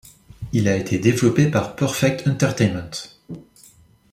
Il a été développé par Perfect Entertainment.